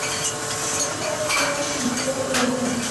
El mismo año actuó en la miniserie "Guerreros de arena".